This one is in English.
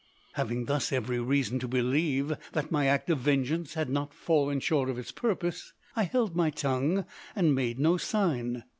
Having thus every reason to believe that my act of vengeance had not fallen short of its purpose, I held my tongue and made no sign.